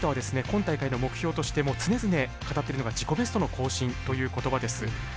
今大会の目標として常々語ってるのが自己ベストの更新という言葉です。